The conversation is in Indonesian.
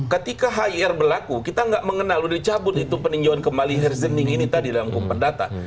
ketika hir berlaku kita nggak mengenal udah dicabut itu peninjauan kembali harsening ini tadi dalam hukum perdata